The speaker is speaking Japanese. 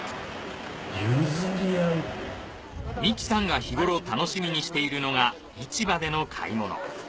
美紀さんが日ごろ楽しみにしているのが市場での買い物。